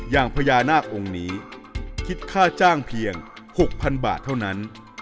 อย่างพญานาคองค์นี้คิดค่าจ้างเพียง๖๐๐๐บาทเท่านั้น